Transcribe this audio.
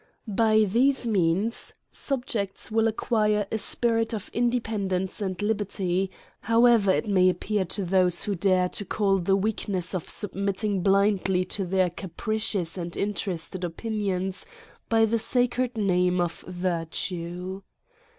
By these means, subjects will acquire a spirit of independ ence and liberty, however it may appear to those who dare to call the weakness of submitting blindly to their capricious and interested opinions by the sacred name of virtue.